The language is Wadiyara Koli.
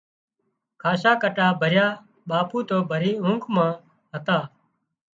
کاشا ڪٽا ڀريا ٻاپو تو ڀري اونگھ مان هتا